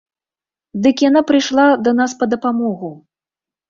Дык яна прыйшла да нас па дапамогу.